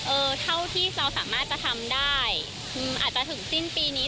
เออเท่าที่เราสามารถจะทำได้อาจจะถึงสิ้นปีนี้